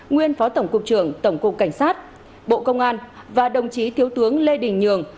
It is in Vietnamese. nguyên phó tổng cục trưởng tổng cục cảnh sát bộ công an và đồng chí thiếu tướng lê đình nhường